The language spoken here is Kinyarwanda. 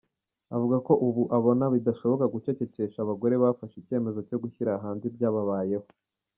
Avuga ko ubu abona bidashoboka gucecekesha abagore bafashe icyemezo cyo gushyira hanze ibyababayeho.